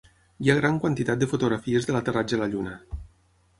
Hi ha gran quantitat de fotografies de l'aterratge a la lluna